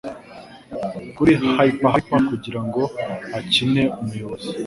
kuri hyper hyper kugirango akine umuyobozi